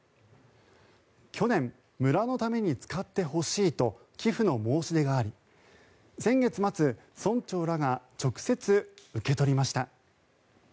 去年、村のために使ってほしいと寄付の申し出があり先月末村長らが直接受け取りました。